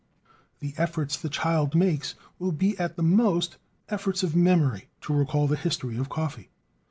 The efforts the child makes will be, at the most, efforts of memory to recall the history of coffee.